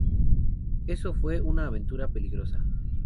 Eso fue una aventura peligrosa